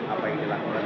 apa yang dilakukan